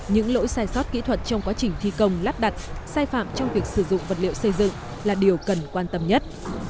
những lỗi sai sót kỹ thuật trong quá trình thi công lắp đặt sai phạm trong việc sử dụng vật liệu xây dựng là điều cần quan tâm nhất